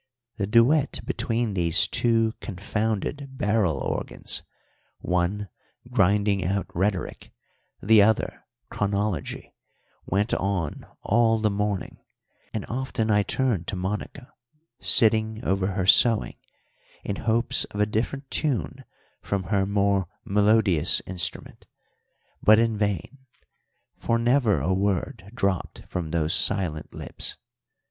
The duet between these two confounded barrel organs, one grinding out rhetoric, the other chronology, went on all the morning, and often I turned to Monica, sitting over her sewing, in hopes of a different tune from her more melodious instrument, but in vain, for never a word dropped from those silent lips.